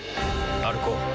歩こう。